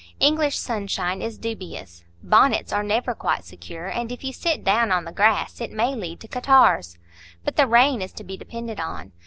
English sunshine is dubious; bonnets are never quite secure; and if you sit down on the grass, it may lead to catarrhs. But the rain is to be depended on.